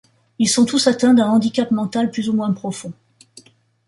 Ils sont tous atteints d’un handicap mental plus ou moins profond.